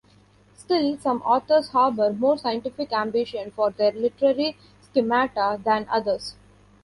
Still, some authors harbor more scientific ambition for their literary schemata than others.